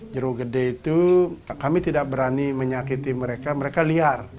jero gede itu kami tidak berani menyakiti mereka mereka liar